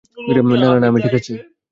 না, না, না, আমি ঠিক আছি।